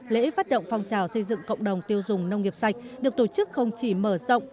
lễ phát động phong trào xây dựng cộng đồng tiêu dùng nông nghiệp sạch được tổ chức không chỉ mở rộng